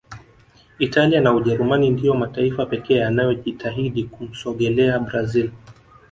italia na Ujerumani ndiyo mataifa pekee yanayojitahidi kumsogelea brazil